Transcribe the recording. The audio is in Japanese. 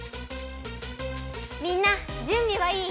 みんなじゅんびはいい？